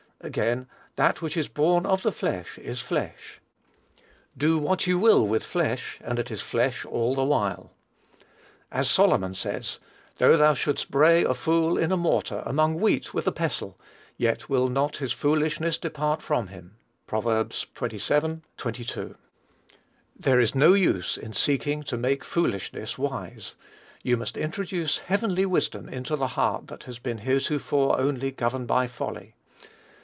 Again, "that which is born of the flesh is flesh." Do what you will with flesh, and it is flesh all the while. As Solomon says, "Though thou shouldest bray a fool in a mortar, among wheat with a pestle, yet will not his foolishness depart from him." (Prov. xxvii. 22.) There is no use in seeking to make foolishness wise: you must introduce heavenly wisdom into the heart that has been heretofore only governed by folly.